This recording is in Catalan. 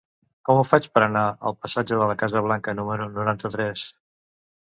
Com ho faig per anar al passatge de la Casa Blanca número noranta-tres?